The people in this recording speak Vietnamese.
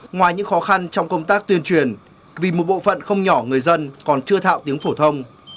ngoài những khó khăn trong công tác tuyên truyền vì một bộ phận không nhỏ người dân còn chưa thạo tiếng phổ thông